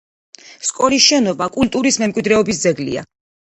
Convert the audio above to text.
სკოლის შენობა კულტურის მემკვიდრეობის ძეგლია.